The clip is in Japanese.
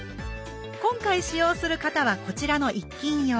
今回使用する型はこちらの一斤用。